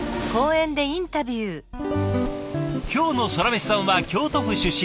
今日のソラメシさんは京都府出身